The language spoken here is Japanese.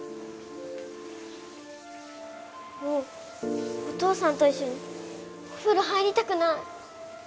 もうお父さんと一緒にお風呂入りたくない。